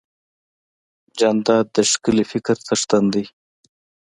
جانداد د ښکلي فکر څښتن دی.